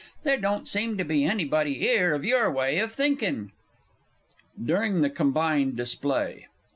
There don't seem to be anybody 'ere of your way of thinkin'. DURING THE COMBINED DISPLAY.